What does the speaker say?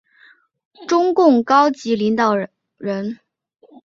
中共高级领导人。